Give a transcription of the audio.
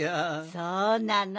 そうなの。